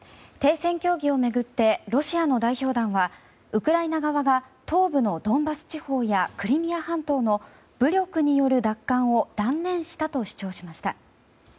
停戦協議を巡ってロシアの代表団はウクライナ側が東部のドンバス地方やクリミア半島の武力による奪還を断念したと主張しました。